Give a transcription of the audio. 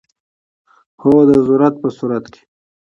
هو، د ضرورت په صورت کې